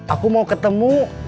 aku mau ketemu